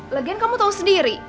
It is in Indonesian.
lagian kamu tau sendiri